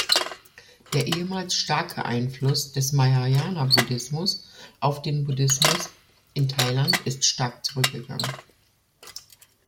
Der ehemals starke Einfluss des Mahayana-Buddhismus auf den Buddhismus in Thailand ist stark zurückgegangen.